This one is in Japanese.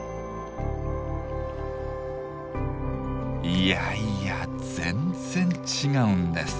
いやいや全然違うんです！